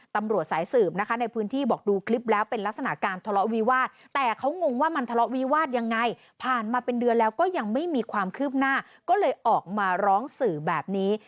ตำรวจสายสืบนะคะในพื้นที่บอกดูคลิปแล้วเป็นลักษณะการทะเลาะวิวาสแต่เขางงว่ามันทะเลาะวิวาสยังไงผ่านมาเป็นเดือนแล้วก็ยังไม่มีความคืบหน้าก็เลยออกมาร้องสื่อแบบนี้